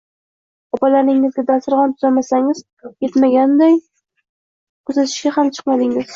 Opalaringizga dasturxon tuzamaganingiz etmaganday, kuzatishga ham chiqmadingiz